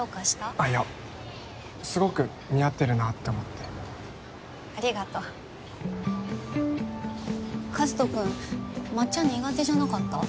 あっいやすごく似合ってるなって思ってありがとうかずと君抹茶苦手じゃなかった？